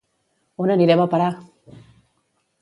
On anirem a parar!